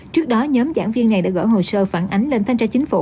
trước đó nhóm giảng viên này đã gỡ hồ sơ phản ánh lên thanh tra chính phủ